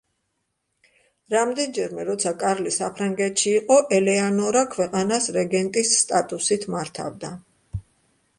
რამდენჯერმე, როცა კარლი საფრანგეთში იყო, ელეანორა ქვეყანას რეგენტის სტატუსით მართავდა.